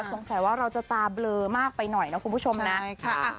สงสัยว่าเราจะตาเบลอมากไปหน่อยนะคุณผู้ชมนะใช่ค่ะ